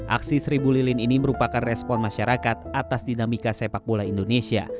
aksi seribu lilin ini merupakan respon masyarakat atas dinamika sepak bola indonesia